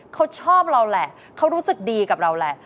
เขาชอบเราแหละเขารู้สึกดีกับเราแหละ